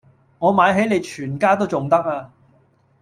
我買起你全家都重得呀